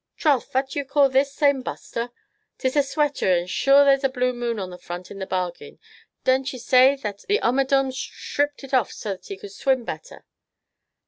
"Troth, phat do ye call this same, Buster? 'Tis a sweater, and sure there's a blue moon on the front, in the bargain. Don't ye say, the omadhaun sthripped it off so that he could swim better."